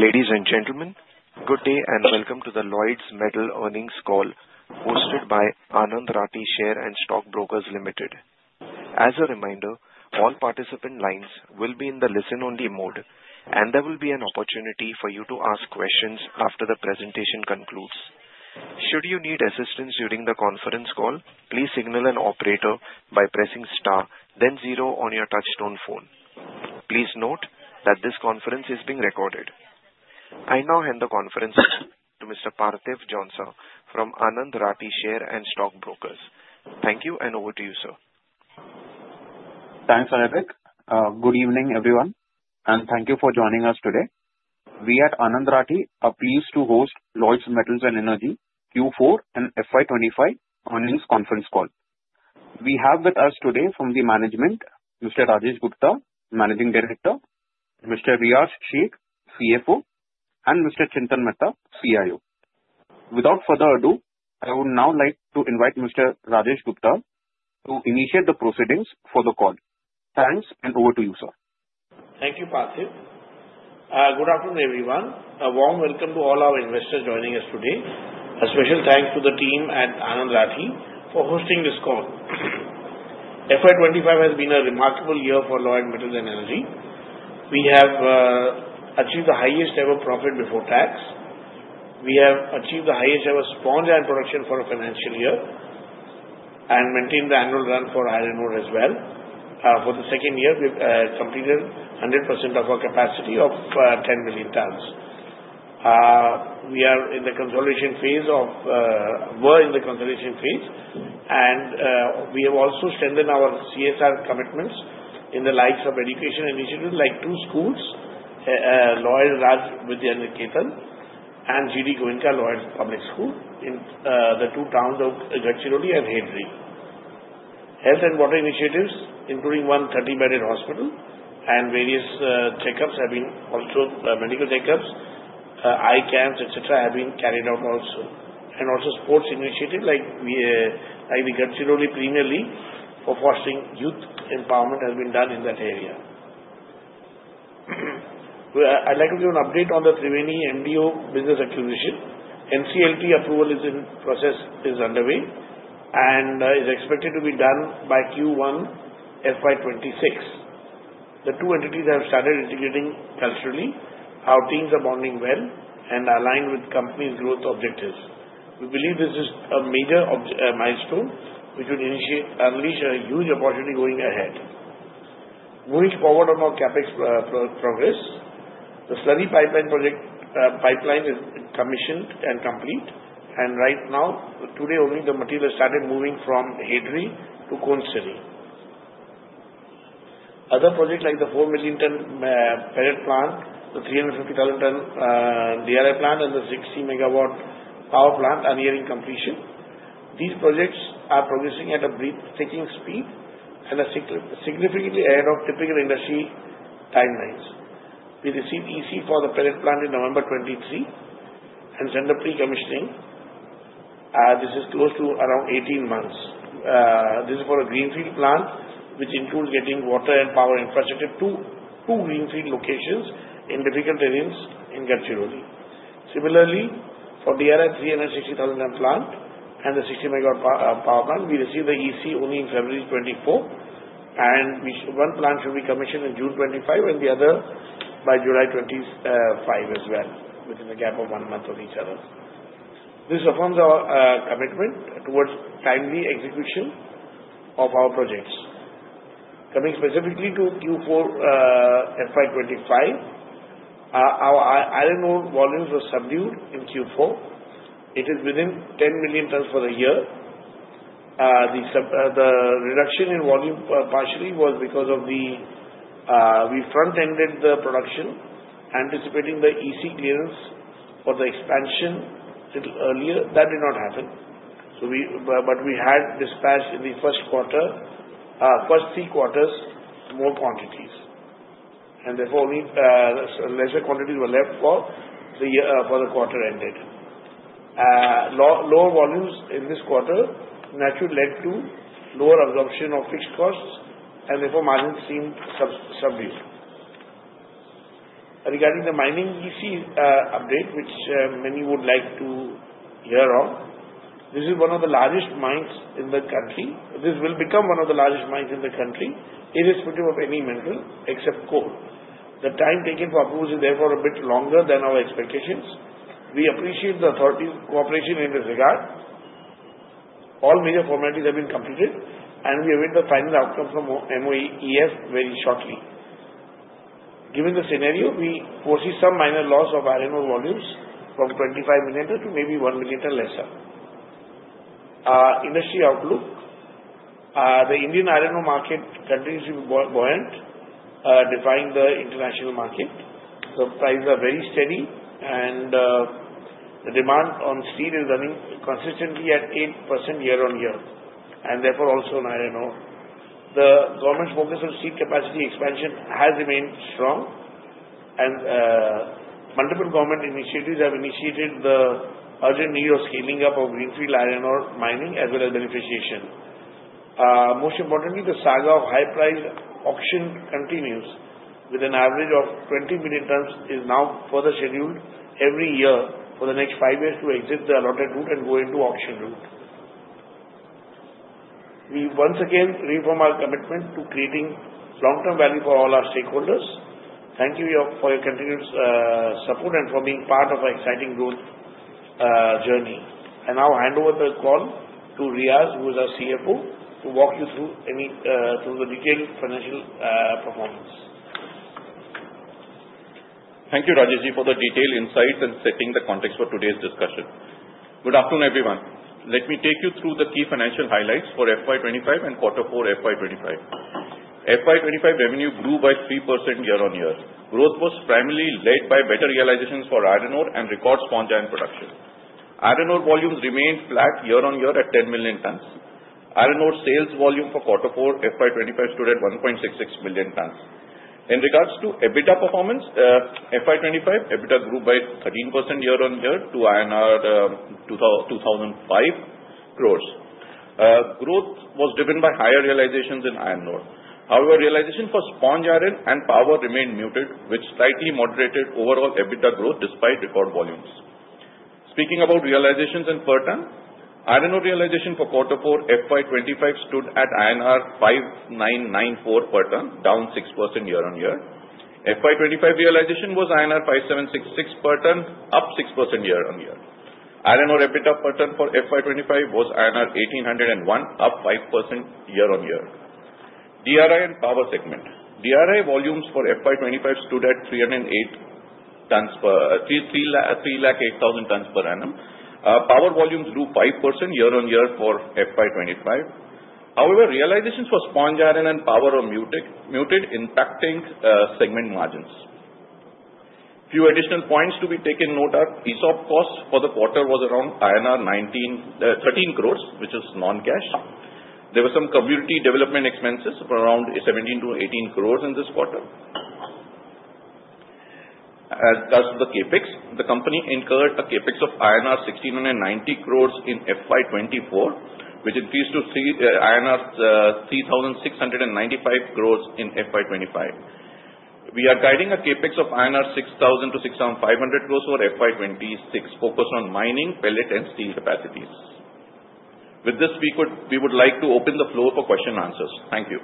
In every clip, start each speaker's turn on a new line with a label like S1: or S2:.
S1: Ladies and gentlemen, good day and welcome to the Lloyds Metals Earnings Call, hosted by Anand Rathi Share and Stock Brokers Limited. As a reminder, all participant lines will be in the listen-only mode, and there will be an opportunity for you to ask questions after the presentation concludes. Should you need assistance during the conference call, please signal an operator by pressing star, then zero on your touch-tone phone. Please note that this conference is being recorded. I now hand the conference over to Mr. Parthiv Jhonsa from Anand Rathi Share and Stock Brokers. Thank you, and over to you, sir.
S2: Thanks, Rebec. Good evening, everyone, and thank you for joining us today. We at Anand Rathi are pleased to host Lloyds Metals and Energy Q4 and FY2025 Earnings Conference Call. We have with us today from the management, Mr. Rajesh Gupta, Managing Director, Mr. Riyaz Shaikh, CFO, and Mr. Chintan Mehta, CIO. Without further ado, I would now like to invite Mr. Rajesh Gupta to initiate the proceedings for the call. Thanks, and over to you, sir.
S3: Thank you, Parthiv. Good afternoon, everyone. A warm welcome to all our investors joining us today. A special thanks to the team at Anand Rathi for hosting this call. FY2025 has been a remarkable year for Lloyds Metals and Energy. We have achieved the highest-ever profit before tax. We have achieved the highest-ever sponge iron production for a financial year and maintained the annual run rate for iron ore as well. For the second year, we've completed 100% of our capacity of 10 million tons. We are in the consolidation phase, and we have also strengthened our CSR commitments in the likes of education initiatives like two schools, Lloyds Raj with the underprivileged, and GD Goenka Lloyds Public School in the two towns of Gadchiroli and Hedri. Health and water initiatives, including 130 bed in hospital and various checkups, have been also, medical checkups, eye camps, etc., have been carried out also. And also sports initiatives like the Gadchiroli Premier League for fostering youth empowerment have been done in that area. I'd like to give an update on the Triveni MDO business acquisition. NCLT approval is in process, is underway, and is expected to be done by Q1, FY2026. The two entities have started integrating culturally, how teams are bonding well, and aligned with companies' growth objectives. We believe this is a major milestone which will unleash a huge opportunity going ahead. Moving forward on our CAPEX progress, the slurry pipeline is commissioned and complete, and right now, today only, the material started moving from Hedri to Konsari. Other projects like the 4 million tonne pellet plant, the 350,000 tonne DRI plant, and the 60 megawatt power plant are nearing completion. These projects are progressing at a breathtaking speed and are significantly ahead of typical industry timelines. We received EC for the pellet plant in November 2023 and sent the pre-commissioning. This is close to around 18 months. This is for a greenfield plant which includes getting water and power infrastructure to two greenfield locations in difficult areas in Gadchiroli. Similarly, for DRI 360,000 tonne plant and the 60 megawatt power plant, we received the EC only in February 2024, and one plant should be commissioned in June 2025, and the other by July 2025 as well, within a gap of one month of each other. This affirms our commitment towards timely execution of our projects. Coming specifically to Q4 FY2025, our iron ore volumes were subdued in Q4. It is within 10 million tons for the year. The reduction in volume partially was because we front-ended the production anticipating the EC clearance for the expansion a little earlier. That did not happen, but we had dispatched in the first quarter, first three quarters, more quantities, and therefore only lesser quantities were left for the quarter ended. Lower volumes in this quarter naturally led to lower absorption of fixed costs, and therefore margins seemed subdued. Regarding the mining EC update, which many would like to hear on, this is one of the largest mines in the country. This will become one of the largest mines in the country. It is the richest of any mineral except coal. The time taken to approve is therefore a bit longer than our expectations. We appreciate the authority's cooperation in this regard. All major formalities have been completed, and we await the final outcome from MoEF very shortly. Given the scenario, we foresee some minor loss of iron ore volumes from 25 million to maybe one million or lesser. Industry outlook: the Indian iron ore market continues to be buoyant, defying the international market. The prices are very steady, and the demand on steel is running consistently at 8% year on year, and therefore also on iron ore. The government's focus on steel capacity expansion has remained strong, and multiple government initiatives have initiated the urgent need of scaling up of greenfield iron ore mining as well as beneficiation. Most importantly, the saga of high-priced auction continues, with an average of 20 million tons now further scheduled every year for the next five years to exit the allotted route and go into auction route. We once again reaffirm our commitment to creating long-term value for all our stakeholders. Thank you for your continued support and for being part of our exciting growth journey. And now I'll hand over the call to Riyaz, who is our CFO, to walk you through the detailed financial performance.
S4: Thank you, Rajesh, for the detailed insights and setting the context for today's discussion. Good afternoon, everyone. Let me take you through the key financial highlights for FY2025 and Q4 FY2025. FY2025 revenue grew by 3% year-on-year. Growth was primarily led by better realizations for iron ore and record sponge iron production. Iron ore volumes remained flat year-on-year at 10 million tons. Iron ore sales volume for Q4 FY2025 stood at 1.66 million tons. In regards to EBITDA performance, FY2025 EBITDA grew by 13% year-on-year to 2005 crores. Growth was driven by higher realizations in iron ore. However, realization for sponge iron and power remained muted, which slightly moderated overall EBITDA growth despite record volumes. Speaking about realizations and per ton, iron ore realization for Q4 FY2025 stood at INR 5,994 per ton, down 6% year-on-year. FY2025 realization was INR 5,766 per ton, up 6% year-on-year. Iron ore EBITDA per ton for FY2025 was INR 1,801, up 5% year on year. DRI and power segment: DRI volumes for FY2025 stood at 308,000 tons per annum. Power volumes grew 5% year-on-year for FY2025. However, realizations for sponge iron and power were muted, impacting segment margins. Few additional points to be taken note of: ESOP cost for the quarter was around 13 crores, which is non-cash. There were some community development expenses of around 17-18 crores in this quarter. As of the CAPEX, the company incurred a CAPEX of INR 690 crores in FY2024, which increased to INR 3,695 crores in FY2025. We are guiding a CAPEX of INR 6,000-6,500 crores for FY2026, focused on mining, pellet, and steel capacities. With this, we would like to open the floor for question and answers. Thank you.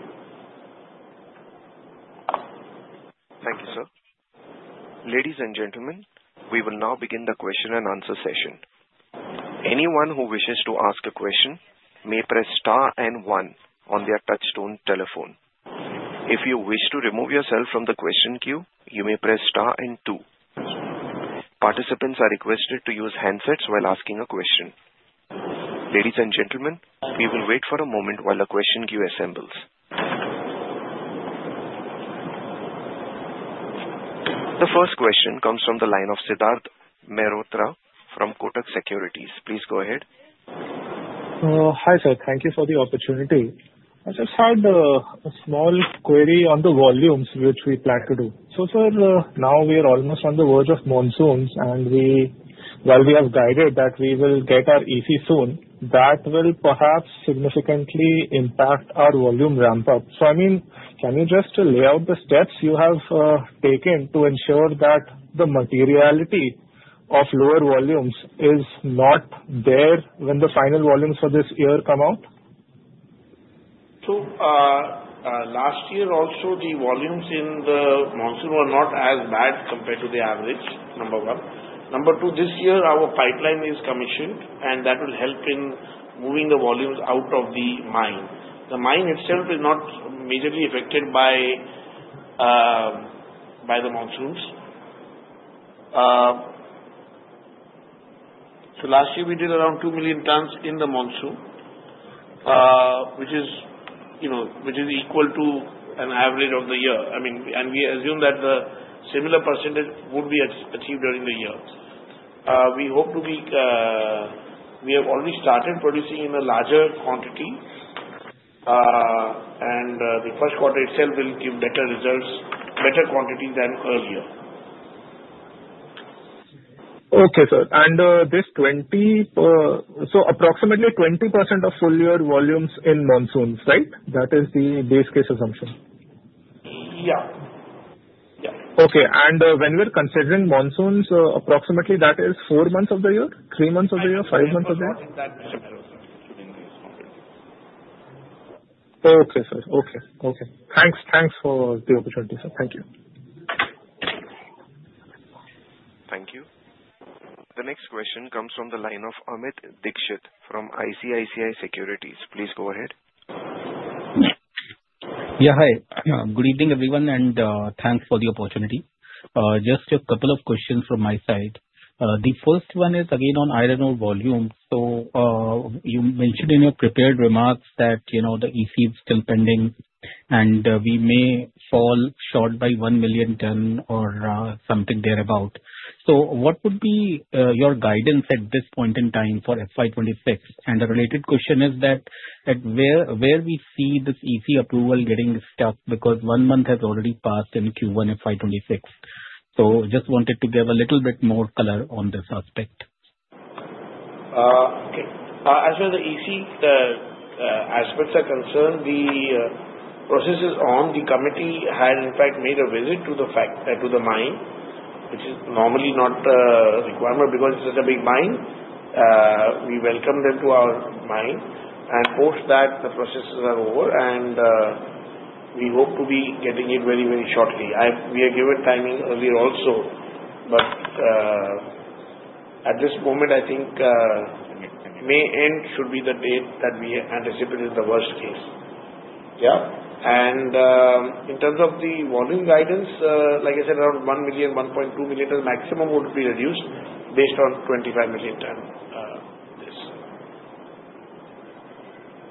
S1: Thank you, sir. Ladies and gentlemen, we will now begin the question and answer session. Anyone who wishes to ask a question may press star and one on their touch-tone telephone. If you wish to remove yourself from the question queue, you may press star and two. Participants are requested to use handsets while asking a question. Ladies and gentlemen, we will wait for a moment while the question queue assembles. The first question comes from the line of Siddharth Mehrotra from Kotak Securities. Please go ahead.
S5: Hi, sir. Thank you for the opportunity. I just had a small query on the volumes which we plan to do. So, sir, now we are almost on the verge of monsoons, and while we have guided that we will get our EC soon, that will perhaps significantly impact our volume ramp-up. So, I mean, can you just lay out the steps you have taken to ensure that the materiality of lower volumes is not there when the final volumes for this year come out?
S3: Last year, also, the volumes in the monsoon were not as bad compared to the average, number one. Number two, this year, our pipeline is commissioned, and that will help in moving the volumes out of the mine. The mine itself is not majorly affected by the monsoons. Last year, we did around two million tons in the monsoon, which is equal to an average of the year. I mean, and we assume that the similar percentage would be achieved during the year. We have already started producing in a larger quantity, and the first quarter itself will give better results, better quantity than earlier.
S5: Okay, sir, and this 20, so, approximately 20% of full year volumes in monsoons, right? That is the base case assumption.
S3: Yeah. Yeah.
S5: Okay. And when we're considering monsoons, approximately, that is four months of the year, three months of the year, five months of the year?
S3: That's the general assumption within these quarters.
S5: Okay, sir. Thanks for the opportunity, sir. Thank you.
S1: Thank you. The next question comes from the line of Amit Dixit from ICICI Securities. Please go ahead.
S6: Yeah. Hi. Good evening, everyone, and thanks for the opportunity. Just a couple of questions from my side. The first one is again on iron ore volume. So, you mentioned in your prepared remarks that the EC is still pending, and we may fall short by 1 million ton or something thereabout. So, what would be your guidance at this point in time for FY2026? And the related question is that where we see this EC approval getting stuck because one month has already passed in Q1 FY2026. So, just wanted to give a little bit more color on this aspect.
S3: Okay. As far as the EC is concerned, the person on the committee had, in fact, made a visit to the mine, which is normally not a requirement because it's such a big mine. We welcomed them to our mine, and post that, the processes are over, and we hope to be getting it very, very shortly. We are given timing earlier also, but at this moment, I think May end should be the date that we anticipate is the worst case. Yeah. And in terms of the volume guidance, like I said, around one million, 1.2 million tonne maximum would be reduced based on 25 million tonne this.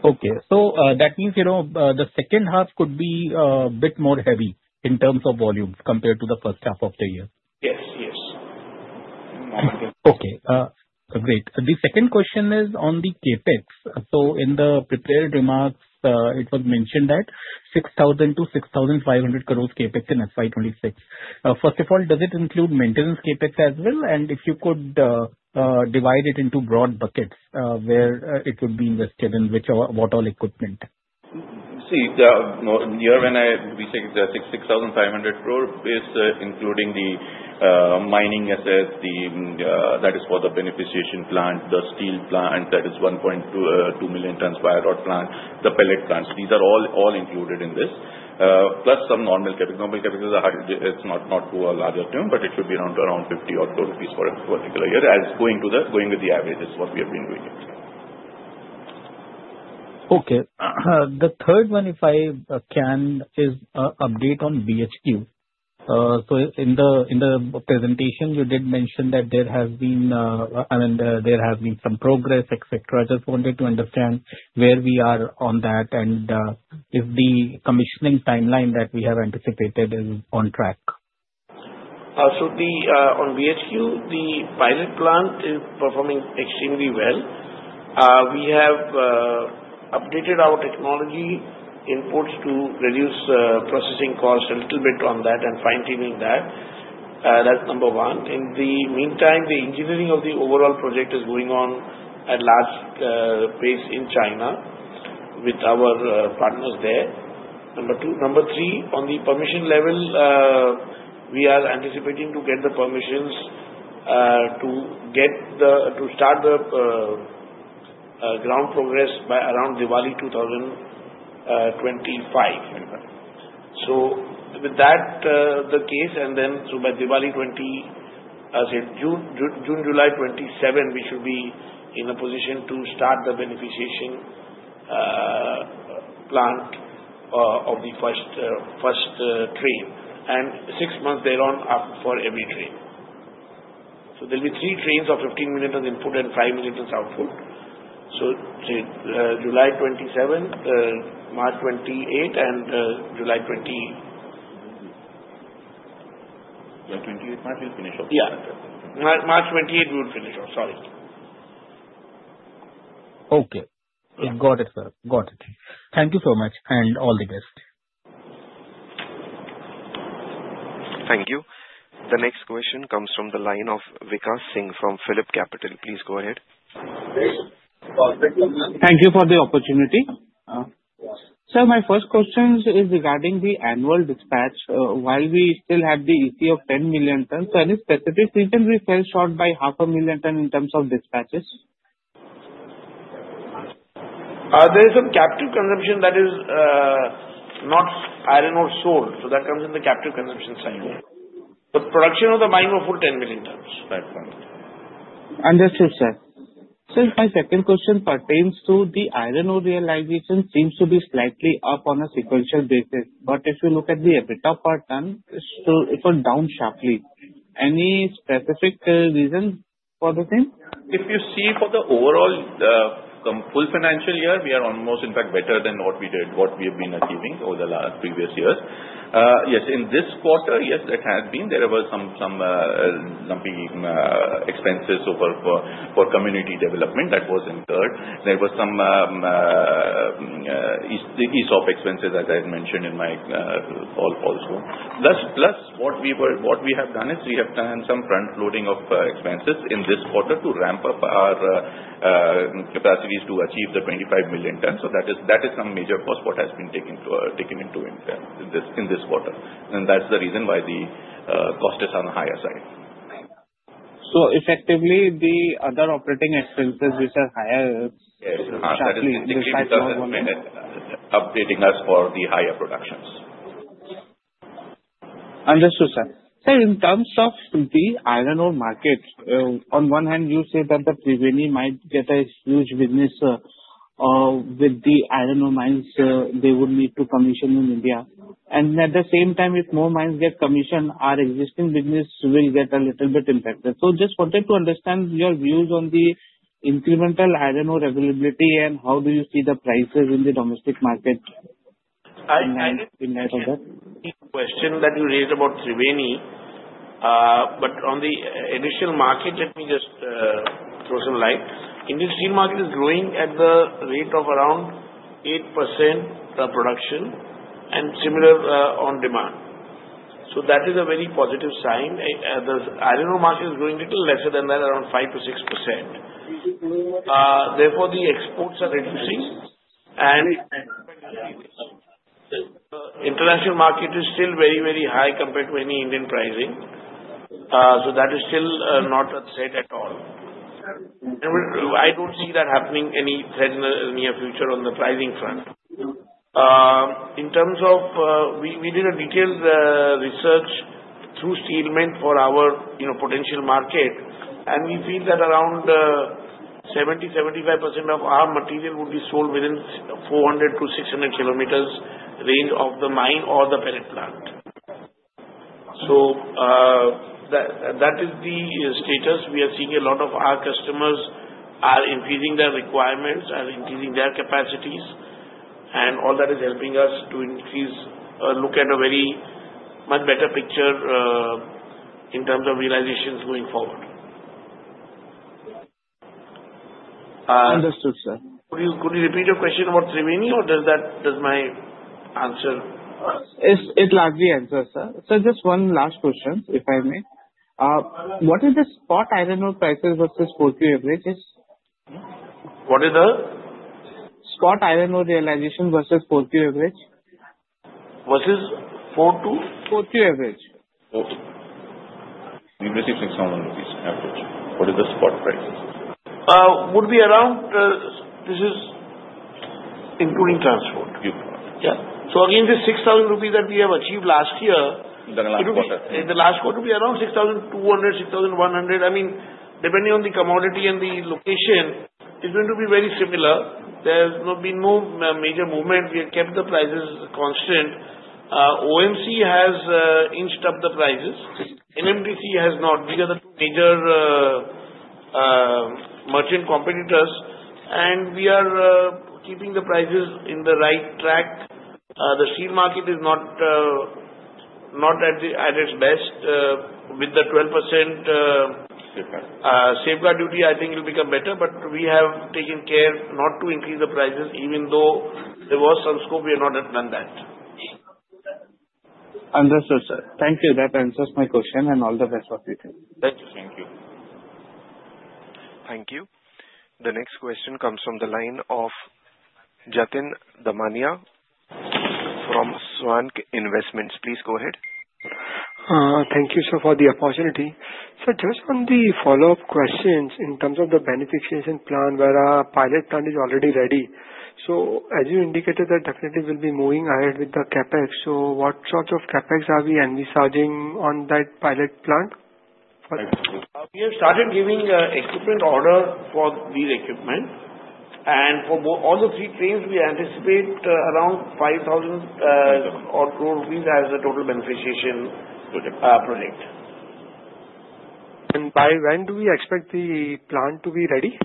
S6: Okay, so that means the second half could be a bit more heavy in terms of volume compared to the first half of the year.
S3: Yes. Yes.
S6: Okay. Great. The second question is on the CAPEX. So, in the prepared remarks, it was mentioned that 6,000-6,500 crores CAPEX in FY2026. First of all, does it include maintenance CAPEX as well? And if you could divide it into broad buckets where it would be invested in what all equipment?
S4: See, the year when we take the 6,500 crore is including the mining assets. That is for the beneficiation plant, the steel plant that is 1.2 million tonnes pyro plant, the pellet plants. These are all included in this, plus some normal CapEx. Normal CapEx is not too large a term, but it should be around 50 or so rupees for a particular year. Going with the average is what we have been doing it.
S6: Okay. The third one, if I can, is an update on BHQ. So, in the presentation, you did mention that there has been, I mean, there has been some progress, etc. I just wanted to understand where we are on that and if the commissioning timeline that we have anticipated is on track.
S3: On BHQ, the pilot plant is performing extremely well. We have updated our technology inputs to reduce processing costs a little bit on that and fine-tuning that. That's number one. In the meantime, the engineering of the overall project is going on at large pace in China with our partners there. Number two. Number three, on the permission level, we are anticipating to get the permissions to start the ground progress by around Diwali 2025. With that, the case, and then so by Diwali 20, I said June, July 27, we should be in a position to start the beneficiation plant of the first train and six months thereon for every train. There'll be three trains of 15 million tonne input and five million tonne output. July 27, March 28, and July 28.
S4: July 28, March we'll finish off.
S3: Yeah. March 28, we will finish off. Sorry.
S6: Okay. Got it, sir. Got it. Thank you so much, and all the best.
S1: Thank you. The next question comes from the line of Vikash Singh from Phillip Capital. Please go ahead.
S7: Thank you for the opportunity. Sir, my first question is regarding the annual dispatch. While we still have the EC of 10 million tonnes, so any specific reason we fell short by 500,000 tonnes in terms of dispatches?
S3: There is some captive consumption that is not iron ore sold. So, that comes in the captive consumption side. The production of the mine will put 10 million tonnes.
S7: Understood, sir. Sir, my second question pertains to the iron ore realization seems to be slightly up on a sequential basis, but if you look at the EBITDA per tonne, it went down sharply. Any specific reason for the same?
S4: If you see for the overall full financial year, we are almost, in fact, better than what we did, what we have been achieving over the previous years. Yes. In this quarter, yes, that has been. There were some lumpy expenses for community development that was incurred. There were some ESOP expenses, as I had mentioned in my call also. Plus, what we have done is we have done some front-loading of expenses in this quarter to ramp up our capacities to achieve the 25 million tonnes. So, that is some major cost what has been taken into account in this quarter. And that's the reason why the cost is on the higher side.
S7: So, effectively, the other operating expenses, which are higher.
S3: Yeah. Exactly.
S4: Updating us for the higher productions.
S7: Understood, sir. Sir, in terms of the iron ore market, on one hand, you say that the Triveni might get a huge business with the iron ore mines they would need to commission in India, and at the same time, if more mines get commissioned, our existing business will get a little bit impacted, so just wanted to understand your views on the incremental iron ore availability and how do you see the prices in the domestic market in light of that?
S3: Question that you raised about Triveni, but on the additional market, let me just throw some light. The steel market is growing at the rate of around 8% production and similar on demand. So, that is a very positive sign. The iron ore market is growing a little lesser than that, around 5-6%. Therefore, the exports are reducing, and the international market is still very, very high compared to any Indian pricing. So, that is still not a threat at all. I don't see that happening any threat in the near future on the pricing front. In terms of we did a detailed research through Steel Mint for our potential market, and we feel that around 70-75% of our material would be sold within 400-600 km range of the mine or the pellet plant. So, that is the status. We are seeing a lot of our customers are increasing their requirements, are increasing their capacities, and all that is helping us to look at a very much better picture in terms of realizations going forward.
S7: Understood, sir.
S3: Could you repeat your question about Triveni, or does my answer?
S7: It's largely the answer, sir. Sir, just one last question, if I may. What is the spot iron ore prices versus [inaudible] averages?
S3: What is the?
S7: Spot iron ore realization versus [inaudible] average?
S3: Versus forecue?
S7: 4Q average.
S4: We've received 6,000 rupees average. What is the spot price?
S3: Would be around, this is including transport. Yeah. So, again, this 6,000 rupees that we have achieved last year.
S4: The last quarter.
S3: In the last quarter, it will be around 6,200, 6,100. I mean, depending on the commodity and the location, it's going to be very similar. There's been no major movement. We have kept the prices constant. OMC has inched up the prices. NMDC has not. These are the two major merchant competitors, and we are keeping the prices in the right track. The steel market is not at its best. With the 12% safeguard duty, I think it will become better, but we have taken care not to increase the prices, even though there was some scope, we have not done that.
S7: Understood, sir. Thank you. That answers my question, and all the best for future.
S3: Thank you. Thank you.
S4: Thank you.
S1: The next question comes from the line of Jatin Damania from Svan Investments. Please go ahead.
S8: Thank you, sir, for the opportunity. Sir, just on the follow-up questions, in terms of the beneficiation plan where a pilot plant is already ready. So, as you indicated, there definitely will be moving ahead with the CAPEX. So, what sorts of CAPEX are we envisaging on that pilot plant?
S3: We have started giving equipment order for these equipment, and for all the three trains, we anticipate around 5,000 crore rupees as the total beneficiation project.
S8: By when do we expect the plant to be ready?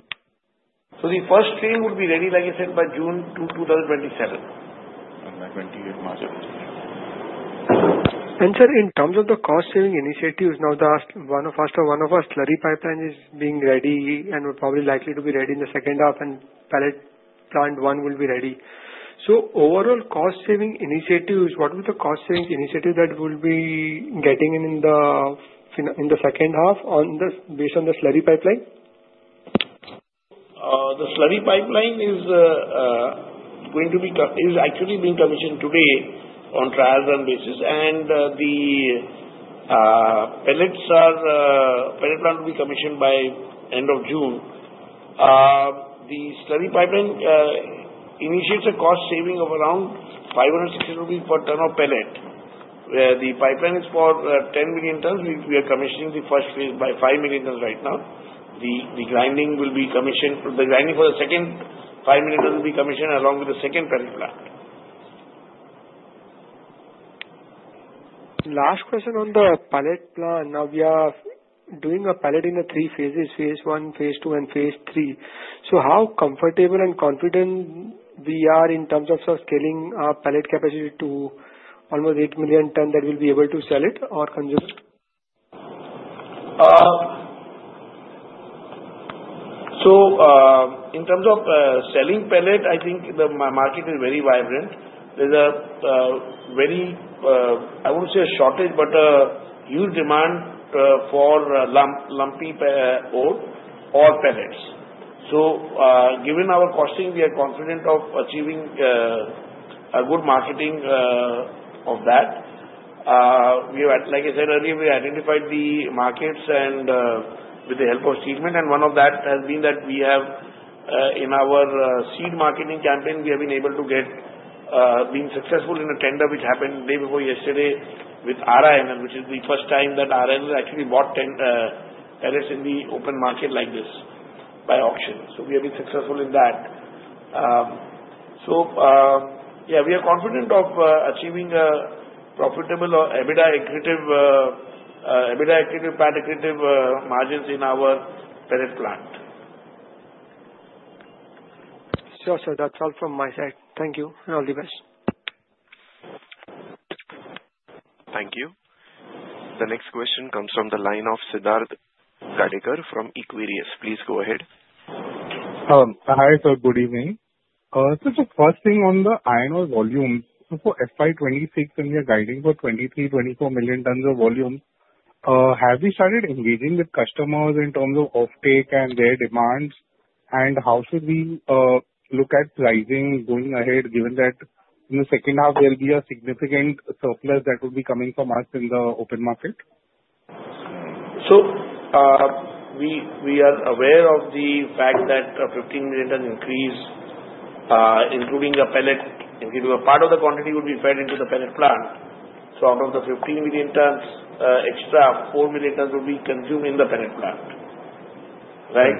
S3: So, the first train would be ready, like I said, by June 2, 2027.
S4: By 28 March.
S8: Sir, in terms of the cost-saving initiatives, now once the Slurry Pipeline is ready, and we're probably likely to be ready in the second half, and Pellet Plant One will be ready. Overall cost-saving initiatives, what would the cost-saving initiative that we'll be getting in the second half based on the Slurry Pipeline?
S3: The Slurry Pipeline is going to be actually being commissioned today on a trial-run basis, and the pellet plant will be commissioned by the end of June. The Slurry Pipeline initiates a cost saving of around 500-600 rupees per tonne of pellet. The pipeline is for 10 million tonnes. We are commissioning the first phase by 5 million tonnes right now. The grinding will be commissioned for the second 5 million tonnes along with the second pellet plant.
S8: Last question on the pellet plant. Now, we are doing a pellet in three phases: phase I, phase II, and phase III. So, how comfortable and confident we are in terms of scaling our pellet capacity to almost eight million tonnes that we'll be able to sell it or consume it?
S3: In terms of selling pellet, I think the market is very vibrant. There's a very, I wouldn't say a shortage, but a huge demand for lumpy ore or pellets. Given our costing, we are confident of achieving a good marketing of that. Like I said earlier, we identified the markets with the help of SteelMint, and one of that has been that we have, in our seed marketing campaign, we have been able to be successful in a tender which happened day before yesterday with RINL, which is the first time that RINL actually bought pellets in the open market like this by auction. We have been successful in that. Yeah, we are confident of achieving profitable EBITDA adequate and adequate margins in our pellet plant.
S8: Sure, sir. That's all from my side. Thank you, and all the best.
S1: Thank you. The next question comes from the line of Siddharth Gadekar from Equirus. Please go ahead.
S9: Hi, sir. Good evening. Sir, just first thing on the iron ore volumes. So, for FY2026, we are guiding for 23-24 million tonnes of volume. Have we started engaging with customers in terms of off-take and their demands? And how should we look at pricing going ahead, given that in the second half, there'll be a significant surplus that will be coming from us in the open market?
S3: We are aware of the fact that 15 million tonnes increase, including a pellet, including a part of the quantity would be fed into the pellet plant. Out of the 15 million tonnes extra, 4 million tonnes will be consumed in the pellet plant. Right?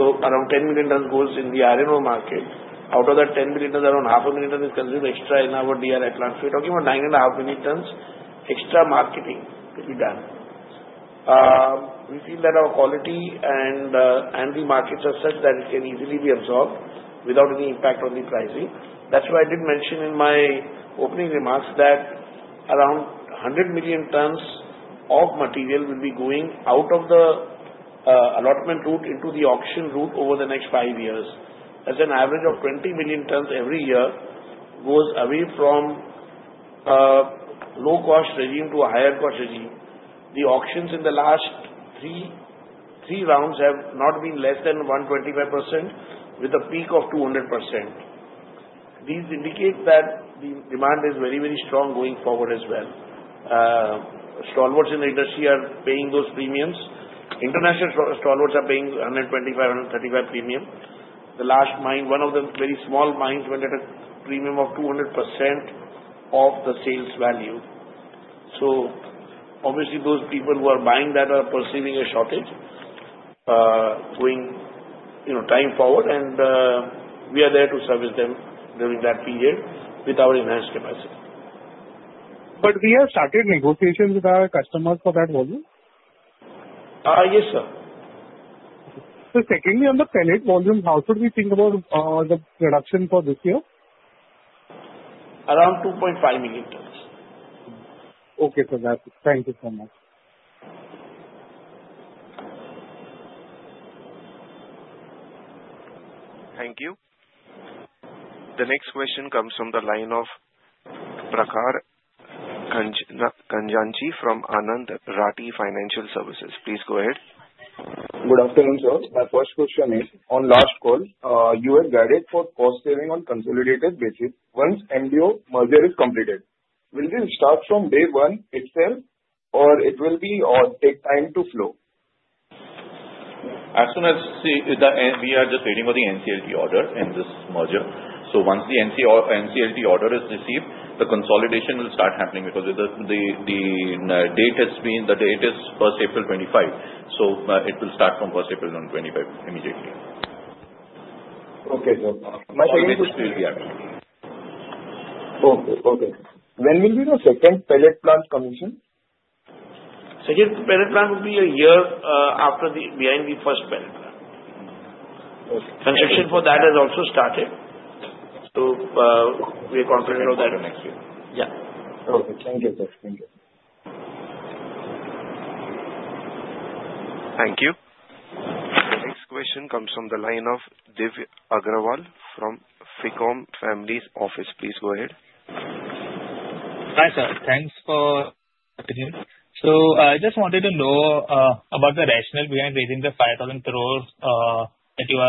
S3: Around 10 million tonnes goes in the iron ore market. Out of that 10 million tonnes, around 500,000 tonnes is consumed extra in our DRI plant. We're talking about 9.5 million tonnes extra marketing to be done. We feel that our quality and the markets are such that it can easily be absorbed without any impact on the pricing. That's why I did mention in my opening remarks that around 100 million tonnes of material will be going out of the allotment route into the auction route over the next five years. As an average of 20 million tonnes every year goes away from a low-cost regime to a higher-cost regime. The auctions in the last three rounds have not been less than 125%, with a peak of 200%. These indicate that the demand is very, very strong going forward as well. Stalwarts in the industry are paying those premiums. International stalwarts are paying 125% -135% premium. The last mine, one of the very small mines, went at a premium of 200% of the sales value. So, obviously, those people who are buying that are perceiving a shortage going forward, and we are there to service them during that period with our enhanced capacity.
S9: But we have started negotiations with our customers for that volume.
S3: Yes, sir.
S9: Sir, secondly, on the pellet volume, how should we think about the production for this year?
S3: Around 2.5 million tonnes.
S9: Okay, sir. That's it. Thank you so much.
S1: Thank you. The next question comes from the line of Prakhar Kanjani from Anand Rathi Financial Services. Please go ahead.
S10: Good afternoon, sir. My first question is, on last call, you were guided for cost saving on consolidated basis once MDO merger is completed. Will this start from day one itself, or it will take time to flow?
S4: As soon as we are just waiting for the NCLT order in this merger. So, once the NCLT order is received, the consolidation will start happening because the date has been the latest 1st April 2025. So, it will start from 1st April 2025 immediately.
S10: Okay, sir. My question is, when will be the second pellet plant commissioned?
S3: Second pellet plant will be a year after the BINV first pellet plant. Construction for that has also started. So, we are confident of that.
S4: Next year.
S3: Yeah.
S10: Okay. Thank you, sir. Thank you.
S1: Thank you. The next question comes from the line of Div Agarwal from FICOM Family Office. Please go ahead. Hi, sir. Thanks for the opportunity. So, I just wanted to know about the rationale behind raising the 5,000 crore that you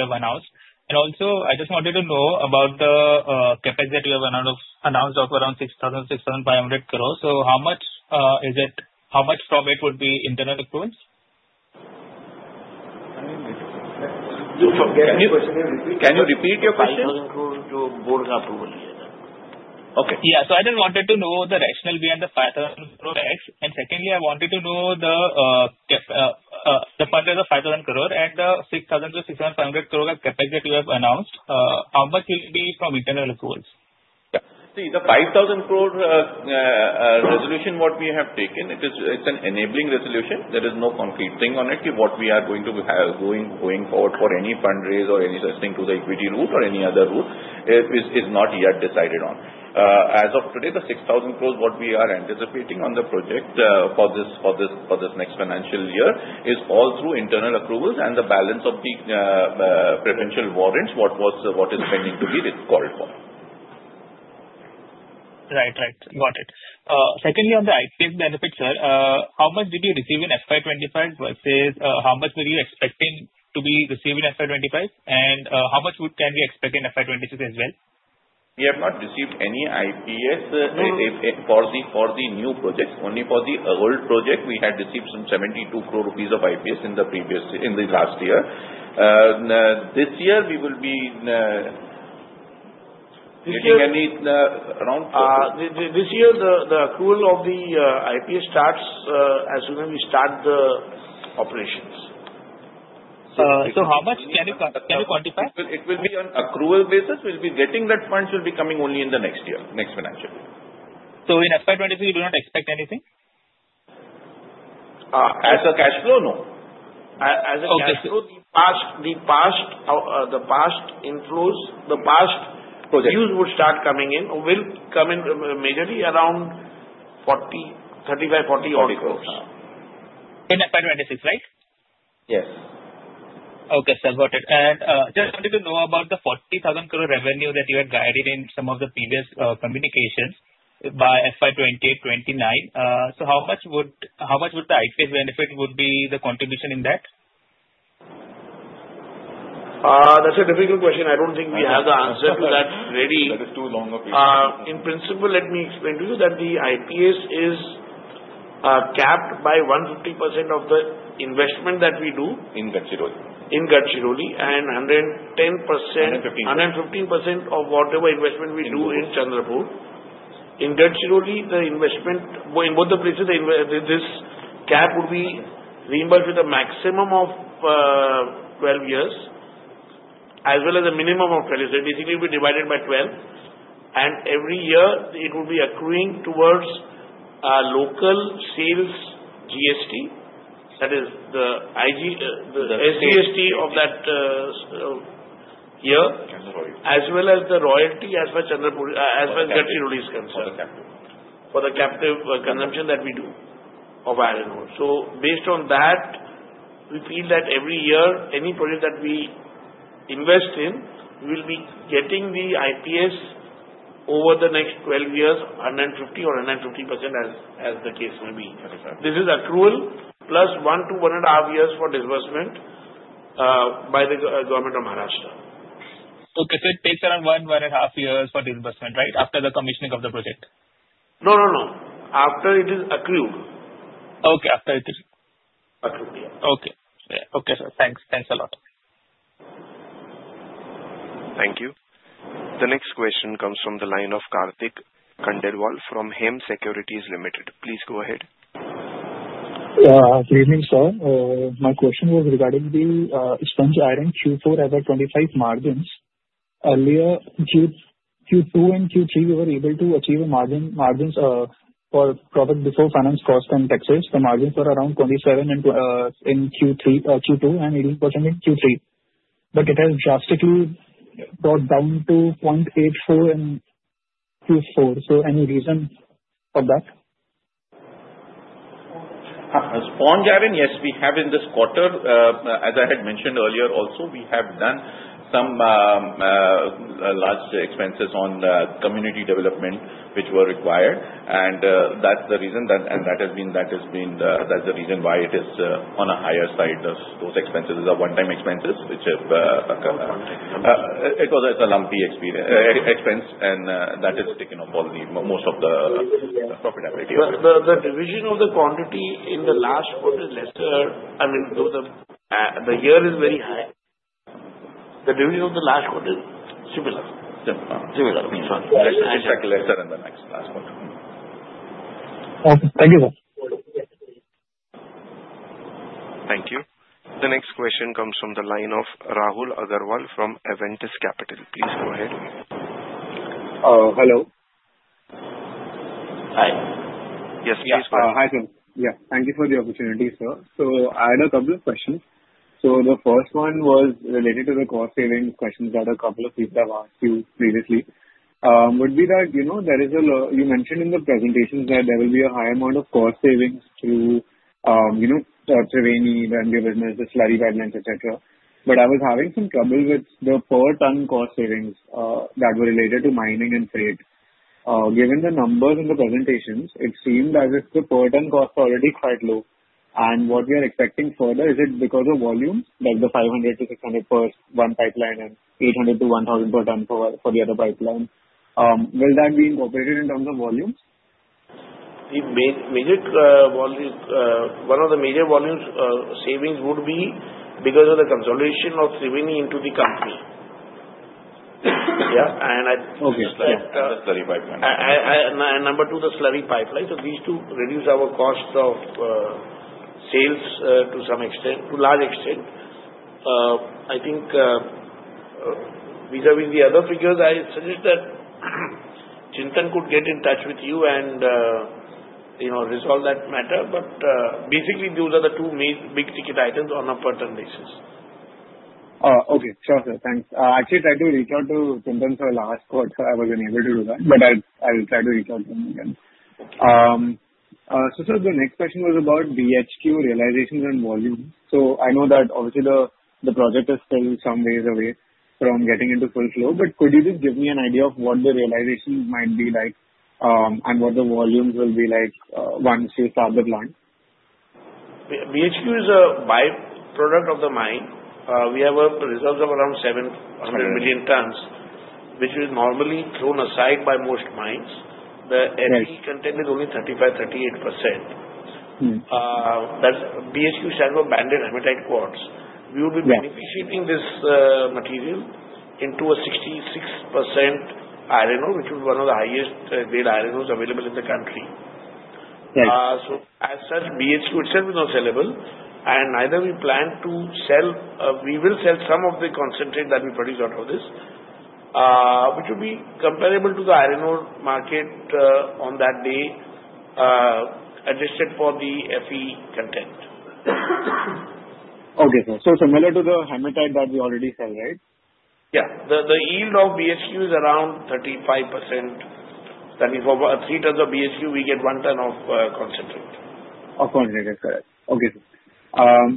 S1: have announced. And also, I just wanted to know about the CAPEX that you have announced of around 6,500 crore. So, how much is it? How much from it would be internal approvals?
S3: Can you repeat your question? I just wanted to know the rationale behind the 5,000 crore CAPEX. And secondly, I wanted to know the funding of the 5,000 crore and the 6,000-6,500 crore CAPEX that you have announced, how much will it be from internal accruals?
S4: See, the 5,000 crore resolution, what we have taken, it's an enabling resolution. There is no concrete thing on it. What we are going to be going forward for any fundraise or any such thing to the equity route or any other route is not yet decided on. As of today, the 6,000 crore what we are anticipating on the project for this next financial year is all through internal approvals and the balance of the preferential warrants, what is pending to be called for. Right, right. Got it. Secondly, on the IPS benefits, sir, how much did you receive in FY2025 versus how much were you expecting to be receiving in FY2025? And how much can we expect in FY2026 as well? We have not received any IPS for the new projects. Only for the old project, we had received some 72 crore rupees of IPS in the last year. This year, we will be getting any around. This year, the accrual of the IPS starts as soon as we start the operations. So, how much can you quantify? It will be on accrual basis. We'll be getting that funds will be coming only in the next year, next financial year. In FY2026, you do not expect anything?
S3: As a cash flow, no. As a cash flow, the past inflows, the past use would start coming in, will come in majorly around 35-40 crores.
S5: In FY2026, right?
S4: Yes. Okay, sir. Got it. And just wanted to know about the 40,000 crore revenue that you had guided in some of the previous communications by FY2028-2029. So, how much would the IPS benefit be the contribution in that?
S3: That's a difficult question. I don't think we have the answer to that ready.
S4: That is too long of a question.
S3: In principle, let me explain to you that the IPS is capped by 150% of the investment that we do.
S4: In Gadchiroli?
S3: In Gadchiroli and 110%.
S5: 115%.
S3: 115% of whatever investment we do in Chandrapur. In Gadchiroli, the investment in both the places, this cap would be reimbursed with a maximum of 12 years, as well as a minimum of 12 years. Basically, it will be divided by 12. And every year, it will be accruing towards local sales GST, that is the SGST of that year, as well as the royalty as far as Gadchiroli is concerned.
S4: For the captive?
S3: For the captive consumption that we do of iron ore, so based on that, we feel that every year, any project that we invest in, we will be getting the IPS over the next 12 years, 150 or 150% as the case may be. This is accrual plus one to one and a half years for disbursement by the Government of Maharashtra. Okay. It takes around one to one and a half years for disbursement, right, after the commissioning of the project? No, no, no. After it is accrued. Okay. After it is accrued, yeah. Okay. Okay, sir. Thanks. Thanks a lot.
S1: Thank you. The next question comes from the line of Kartik Khandelwal from Hem Securities Limited. Please go ahead.
S11: Good evening, sir. My question was regarding the EBITDA for Q4 FY2025 margins. Earlier, Q2 and Q3, we were able to achieve a margin for product before finance cost and taxes. The margins were around 27% in Q2 and 18% in Q3. But it has drastically brought down to 0.84% in Q4. So, any reason for that?
S4: On iron, yes, we have in this quarter. As I had mentioned earlier also, we have done some large expenses on community development, which were required. And that's the reason why it is on a higher side of those expenses. These are one-time expenses, which have occurred. It was a lumpy expense, and that has taken off most of the profitability, but the dispatch of the quantity in the last quarter is lesser. I mean, the volume for the year is very high. The dispatch of the last quarter is similar. Similar.
S3: Similar. Exactly.
S4: Lesser in the next last quarter.
S11: Thank you, sir.
S1: Thank you. The next question comes from the line of Rahul Agarwal from Adventis Capital. Please go ahead. Hello.
S3: Hi.
S4: Yes, please, sir. Yeah. Thank you for the opportunity, sir. So, I had a couple of questions. So, the first one was related to the cost savings questions that a couple of people have asked you previously. Would be that you mentioned in the presentations that there will be a high amount of cost savings through Triveni, the business, the slurry pipeline, etc. But I was having some trouble with the per ton cost savings that were related to mining and trade. Given the numbers in the presentations, it seemed as if the per ton costs are already quite low. And what we are expecting further, is it because of volumes, like the 500-600 per ton for one pipeline and 800-1,000 per ton for the other pipeline? Will that be incorporated in terms of volumes?
S3: Maybe one of the major volume savings would be because of the consolidation of Triveni into the company. Yeah.
S4: And the slurry pipeline.
S3: And number two, the slurry pipeline. So, these two reduce our costs of sales to some extent, to large extent. I think [inaudible] the other figures, I suggest that Chintan could get in touch with you and resolve that matter. But basically, those are the two big ticket items on a per ton basis. Okay. Sure, sir. Thanks. Actually, I tried to reach out to Chintan for the last quarter. I was unable to do that, but I'll try to reach out to him again. So, sir, the next question was about BHQ realizations and volumes. So, I know that obviously the project is still some ways away from getting into full flow, but could you just give me an idea of what the realization might be like and what the volumes will be like once you start the plant? BHQ is a byproduct of the mine. We have reserves of around 700 million tons, which is normally thrown aside by most mines. The Fe content is only 35%-38%. BHQ is banded hematite quartzite. We will be beneficiating this material into a 66% iron ore, which is one of the highest grade iron ores available in the country. So, as such, BHQ itself is not sellable. And neither we plan to sell. We will sell some of the concentrate that we produce out of this, which will be comparable to the iron ore market on that day adjusted for the Fe content. Okay, sir. So, similar to the hematite that we already sell, right? Yeah. The yield of BHQ is around 35%. I mean, for three tons of BHQ, we get one ton of concentrate. Of concentrate. Correct. Okay.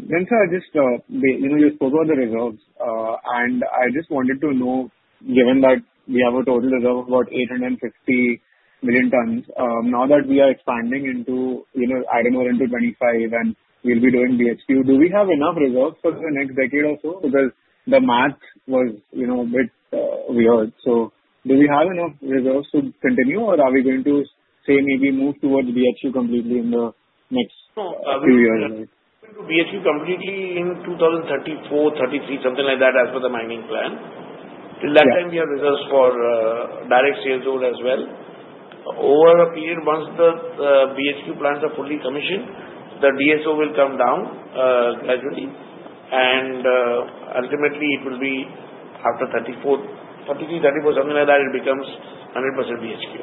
S3: Then, sir, just you spoke about the reserves, and I just wanted to know, given that we have a total reserve of about 850 million tons, now that we are expanding into iron ore into 25 and we'll be doing BHQ, do we have enough reserves for the next decade or so? Because the math was a bit weird. So, do we have enough reserves to continue, or are we going to say maybe move towards BHQ completely in the next few years? We are going to BHQ completely in 2034, 2033, something like that as per the mining plan. At that time, we have reserves for direct shipping ore as well. Over a period, once the BHQ plants are fully commissioned, the DSO will come down gradually. And ultimately, it will be after 34, 33, 34, something like that, it becomes 100% BHQ.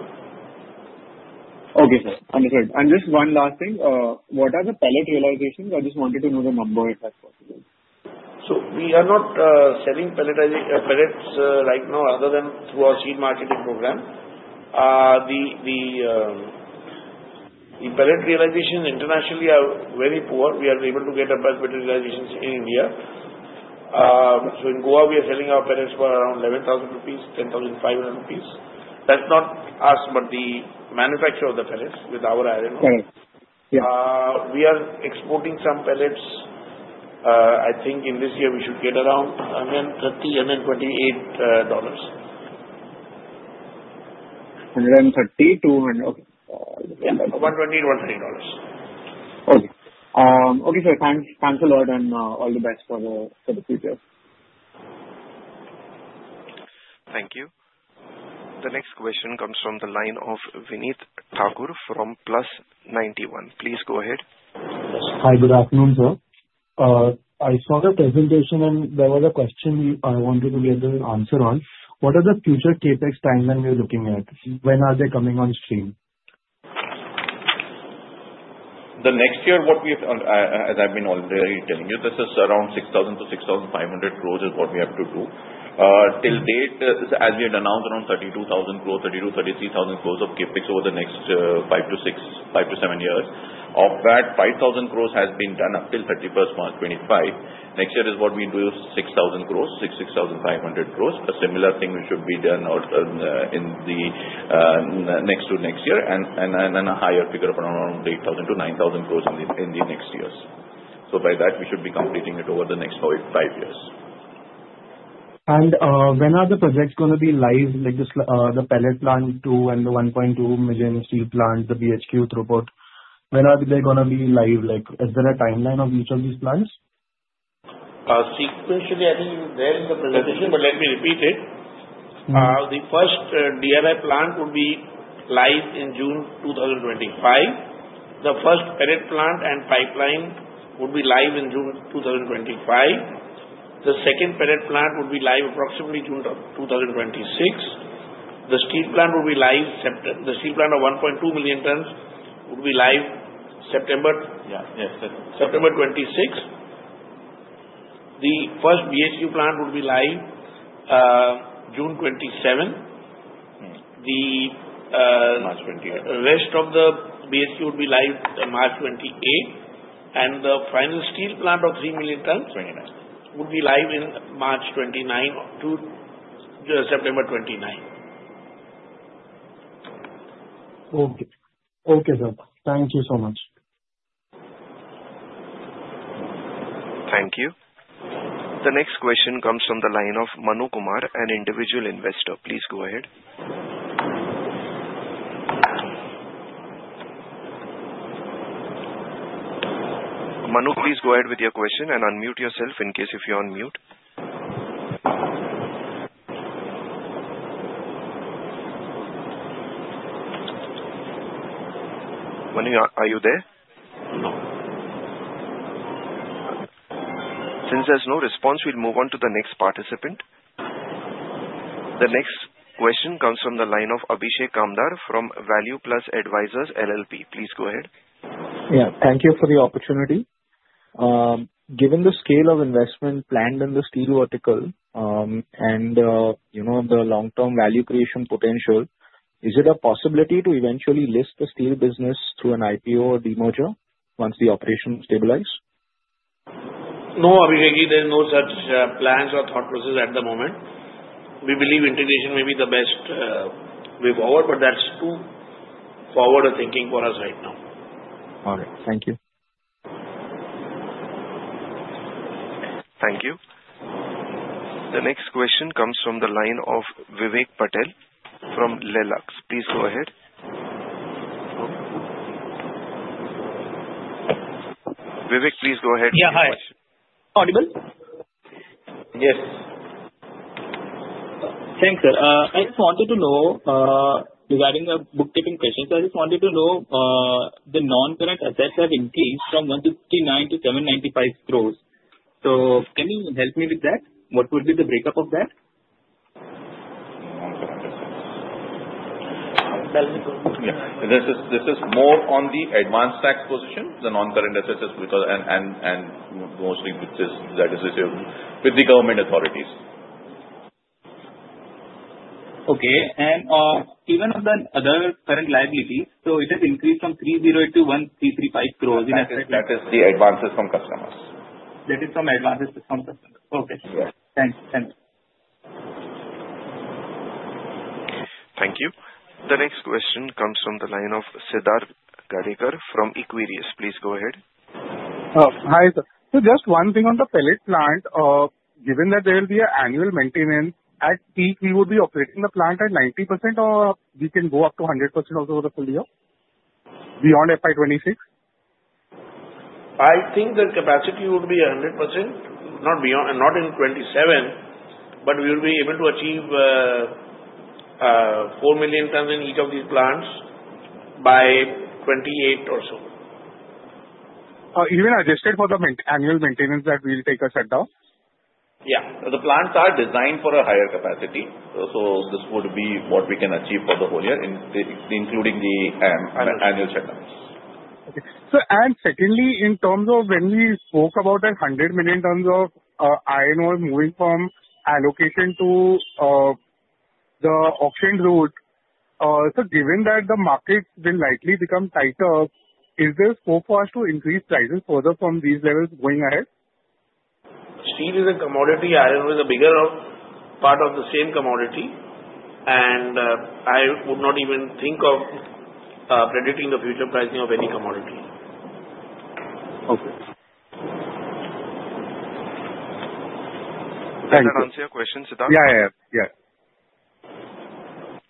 S3: Okay, sir. Understood. And just one last thing. What are the pellet realizations? I just wanted to know the number if that's possible. We are not selling pellets right now other than through our seed marketing program. The pellet realizations internationally are very poor. We are able to get a better realization in India. In Goa, we are selling our pellets for around 11,000 rupees, 10,500 rupees. That's not us, but the manufacturer of the pellets with our iron ore. We are exporting some pellets. I think in this year, we should get around $130, $128.
S5: $130 to 200. Okay.
S3: $120, $130. Okay. Okay, sir. Thanks a lot, and all the best for the future.
S1: Thank you. The next question comes from the line of Vinit Thakur from Plus91. Please go ahead.
S12: Hi, good afternoon, sir. I saw the presentation, and there was a question I wanted to get an answer on. What are the future CAPEX timeline we're looking at? When are they coming on stream?
S4: The next year, what we have, as I've been already telling you, this is around 6,000-6,500 crores is what we have to do. Till date, as we had announced, around 32,000 crores, 32,000-33,000 crores of CAPEX over the next five to seven years. Of that, 5,000 crores has been done up till 31st March 2025. Next year is what we do, 6,000 crores, 6,000-6,500 crores. A similar thing should be done in the next to next year and a higher figure of around 8,000-9,000 crores in the next years. So, by that, we should be completing it over the next five years.
S12: When are the projects going to be live, like the pellet plant two and the 1.2 million tonnes plant, the BHQ throughput? When are they going to be live? Is there a timeline of each of these plants?
S3: Sequentially, I think you were there in the presentation, but let me repeat it. The first DRI plant would be live in June 2025. The first pellet plant and pipeline would be live in June 2025. The second pellet plant would be live approximately June 2026. The steel plant would be live. The steel plant of 1.2 million tons would be live September.
S4: Yeah. Yes, sir.
S3: September 26th. The first BHQ plant would be live June 27th.
S4: March 28th.
S3: The rest of the BHQ would be live March 28th, and the final steel plant of 3 million tons would be live in March 29 to September 29.
S12: Okay. Okay, sir. Thank you so much.
S1: Thank you. The next question comes from the line of Manu Kumar, an individual investor. Please go ahead. Manu, please go ahead with your question and unmute yourself in case if you're on mute. Manu, are you there?
S4: No.
S1: Since there's no response, we'll move on to the next participant. The next question comes from the line of Abhishek Kamdar from Value Plus Advisors LLP. Please go ahead.
S13: Yeah. Thank you for the opportunity. Given the scale of investment planned in the steel vertical and the long-term value creation potential, is it a possibility to eventually list the steel business through an IPO or demerger once the operation stabilize?
S3: No, Abhishek. There are no such plans or thought processes at the moment. We believe integration may be the best way forward, but that's too forward a thinking for us right now.
S13: All right. Thank you.
S1: Thank you. The next question comes from the line of Vivek Patel from Lellux. Please go ahead. Vivek, please go ahead with your question. Yeah. Hi. Audible?
S3: Yes. Thanks, sir. I just wanted to know regarding the bookkeeping questions. I just wanted to know the non-current assets have increased from 159 crores to 795 crores. So can you help me with that? What would be the breakup of that?
S4: This is more on the advance tax position, the non-current assets, and mostly that is with the government authorities. Okay. And even on the other current liabilities, so it has increased from 308 crores to 1,335 crores in assets. That is the advances from customers. That is from advances from customers. Okay. Yes. Thanks. Thanks.
S1: Thank you. The next question comes from the line of Siddharth Gadekar from Equirus Securities. Please go ahead.
S9: Hi, sir. Just one thing on the pellet plant. Given that there will be an annual maintenance, at peak, we would be operating the plant at 90%, or we can go up to 100% also for the full year beyond FY2026?
S3: I think the capacity would be 100%, not in 2027, but we will be able to achieve 4 million tons in each of these plants by 2028 or so.
S9: Even adjusted for the annual maintenance that we'll take a shutdown?
S4: Yeah. The plants are designed for a higher capacity. So this would be what we can achieve for the whole year, including the annual shutdowns.
S9: Okay. And secondly, in terms of when we spoke about that 100 million tons of iron ore moving from allocation to the auctioned route, so given that the market will likely become tighter, is there scope for us to increase prices further from these levels going ahead?
S3: Steel is a commodity. Iron ore is a bigger part of the same commodity, and I would not even think of predicting the future pricing of any commodity.
S9: Okay.
S3: Thank you. Sir, answer your question, Siddharth?
S9: Yeah, yeah, yeah.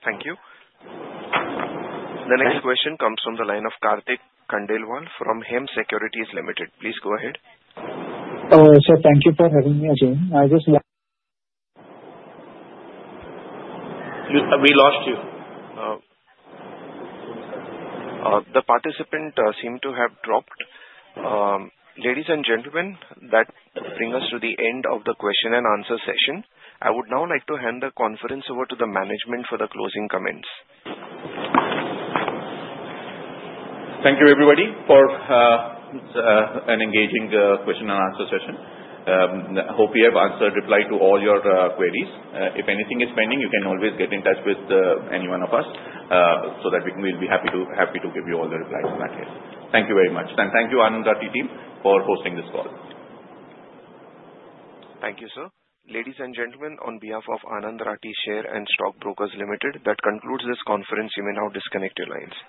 S1: Thank you. The next question comes from the line of Kartik Khandelwal from Hem Securities Limited. Please go ahead.
S11: Sir, thank you for having me again.
S3: We lost you.
S1: The participant seemed to have dropped. Ladies and gentlemen, that brings us to the end of the question and answer session. I would now like to hand the conference over to the management for the closing comments.
S4: Thank you, everybody, for an engaging question and answer session. I hope we have replied to all your queries. If anything is pending, you can always get in touch with any one of us so that we'll be happy to give you all the replies in that case. Thank you very much. And thank you, Anand Rathi team, for hosting this call.
S1: Thank you, sir. Ladies and gentlemen, on behalf of Anand Rathi Share and Stock Brokers Limited, that concludes this conference. You may now disconnect your lines.